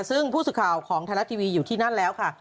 ซึ่งผู้สื่อข่าวของไทยรัฐทีวีอยู่ที่นั่นแล้วค่ะ